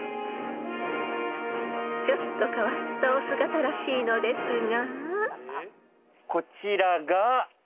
［ちょっと変わったお姿らしいのですが］